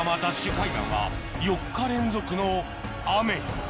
海岸は４日連続の雨